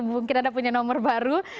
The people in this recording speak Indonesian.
mungkin kita punya nomor baru